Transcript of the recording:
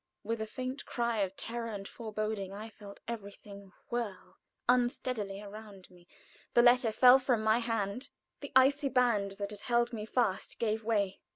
With a faint cry of terror and foreboding, I felt everything whirl unsteadily around me; the letter fell from my hand; the icy band that had held me fast gave way.